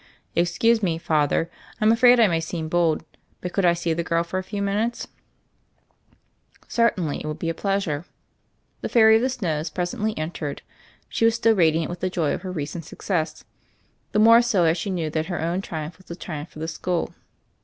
''Excuse me, Father, Fm afraid I may seem bold; but could I see the girl for a few min* utes?" "Certainly; it will be a pleasure.'* The "Fairy of the Snows presently entered. She was still radiant with the joy of her recent success; the more so as she knew that her own triumph was a triumph for the school.